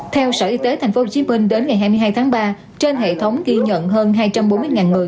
theo sở y tế tp hcm đến ngày hai mươi hai tháng ba trên hệ thống ghi nhận hơn hai trăm bốn mươi người